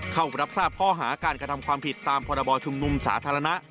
เข้ารับทราบข้อหาการกระทำความผิดตามพรบชุมนุมสาธารณะ